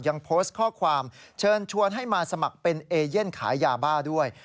ยังโพสต์ข้อความเชิญชวนให้มาสมัครเป็นเอเย่นขายยาบ้าด้วย